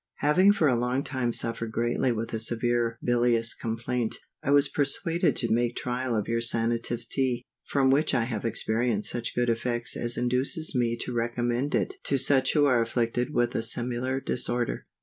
HAVING for a long time suffered greatly with a severe bilious complaint, I was persuaded to make trial of your Sanative Tea, from which I have experienced such good effects as induces me to recommend it to such who are afflicted with a similar disorder.